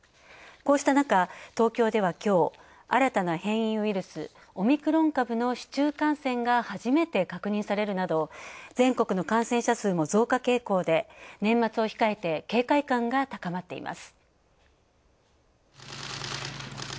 こうした中、東京では、きょう新たな変異ウイルス、オミクロン株の市中感染が初めて確認されるなど全国の感染者数も増加傾向で年末を控えて警戒感が高まっています。